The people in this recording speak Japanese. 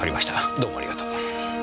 どうもありがとう。